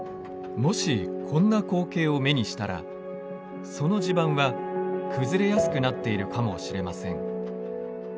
もしこんな光景を目にしたらその地盤は崩れやすくなっているかもしれません。